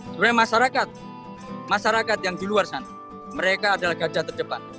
sebenarnya masyarakat masyarakat yang di luar sana mereka adalah gajah terdepan